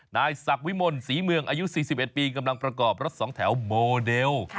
นายศักดิ์วิมลศรีเมืองอายุ๔๑ปีกำลังประกอบรถสองแถวโมเดล